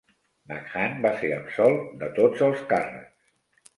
McHann va ser absolt de tots els càrrecs.